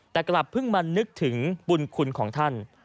แต่กลับเพิ่งมานึกถึงบุญคุณของท่าน